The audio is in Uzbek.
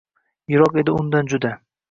Yiroq edi undan juda